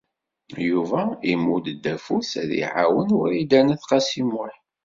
Yuba imudd-d afus ad iɛawen Wrida n At Qasi Muḥ.